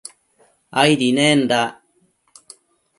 Aidi nendac